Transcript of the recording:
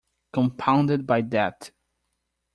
Compounded by debt.